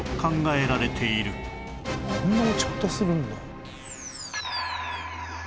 こんな落ち方するんだ。